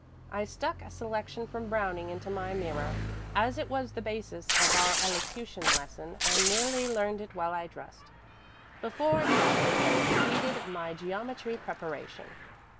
I stuck a selection from Browning into my mirror, as it was the basis of our elocution lesson, and nearly learned it while I dressed. Before chapel I completed my geometry preparation.